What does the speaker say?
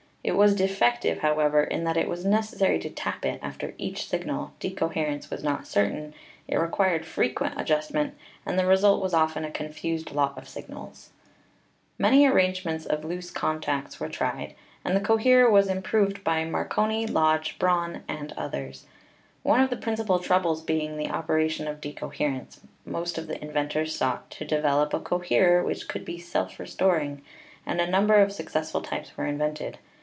It was defective, however, in that it was necessary to tap it after each signal, decoherence was not certain, it required frequent adjustment, and the result was often a confused lot of signals. Many arrangements of loose contacts were tried, and Fig. 50 — The Lodge Muirhead Coherer. the coherer was improved by Marconi, Lodge, Braun, and others. One of the principal troubles being the opera tion of decoherence, most of the inventors sought to de velop a coherer which should be self restoring, and a number of successful types were invented.